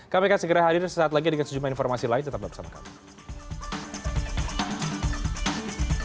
kami akan segera hadir sesaat lagi dengan sejumlah informasi lain tetap bersama kami